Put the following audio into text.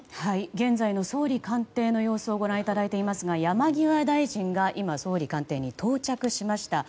現在の総理官邸の様子をご覧いただいていますが山際大臣が今、総理官邸に到着しました。